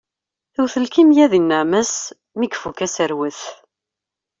Tewwet lkimya deg nneɛma-s mi ifukk aserwet.